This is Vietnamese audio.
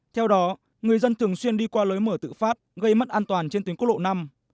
theo đó người dân thường xuyên đi qua lối mở tự phát gây mất an toàn trên tuyến quốc lộ năm